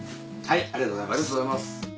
ありがとうございます。